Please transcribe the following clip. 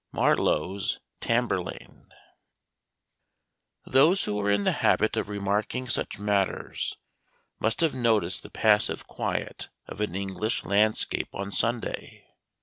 MARLOWE'S TAMBURLAINE. THOSE who are in the habit of remarking such matters must have noticed the passive quiet of an English landscape on Sunday.